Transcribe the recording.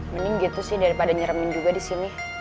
mending gitu sih daripada nyeremen juga di sini